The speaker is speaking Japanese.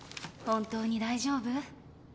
本当に大丈夫？